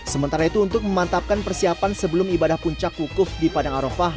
sementara itu untuk memantapkan persiapan sebelum ibadah puncak wukuf di padang arofah